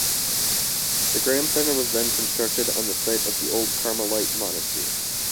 The Graham Center was then constructed on the site of the old Carmelite Monastery.